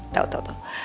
tau tau tau